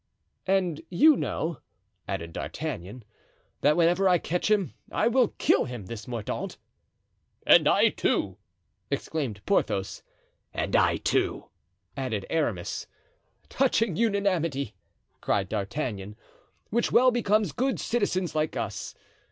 "And you know," added D'Artagnan, "that whenever I catch him I will kill him, this Mordaunt." "And I, too," exclaimed Porthos. "And I, too," added Aramis. "Touching unanimity!" cried D'Artagnan, "which well becomes good citizens like us.